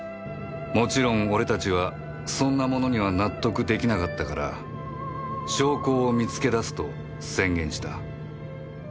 もちろん俺たちはそんなものには納得できなかったから証拠を見つけ出すと宣言した